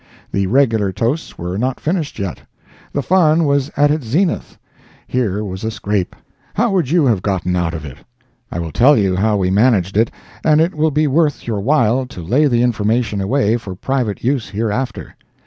The regular toasts were not finished yet. The fun was at its zenith. Here was a scrape. How would you have gotten out of it? I will tell how we managed it, and it will be worth your while to lay the information away for private use hereafter.